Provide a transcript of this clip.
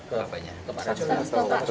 kepada jurnalist atau